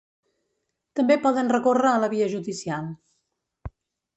També poden recórrer a la via judicial.